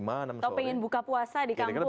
atau ingin buka puasa di kampung gitu ya